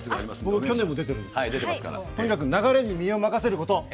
とにかく流れに身を任せること。